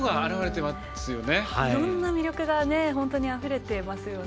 いろんな魅力が本当にあふれてますよね。